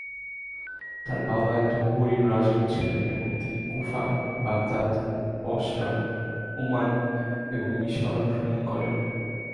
তার বাবা একজন পরিব্রাজক ছিলেন এবং তিনি কুফা, বাগদাদ, বসরা, ওমান এবং মিশর ভ্রমণ করেন।